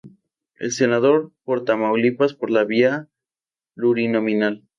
Es senador por Tamaulipas por la vía plurinominal.